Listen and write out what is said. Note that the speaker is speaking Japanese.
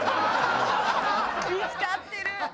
見付かってる！